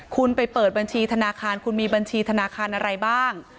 คุณไปเปิดบัญชีธนาคารคุณมีบัญชีธนาคารอะไรบ้าง